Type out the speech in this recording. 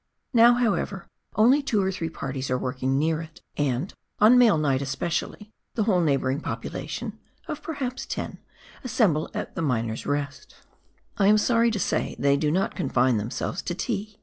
Now, however, only two or three parties are working near it, and, on mail night especially, the whole neighbouring population (of perhaps ten) assemble at the "Miner's Rest." I am sorry to say they do not confine themselves to tea